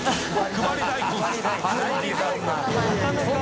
「配り大根」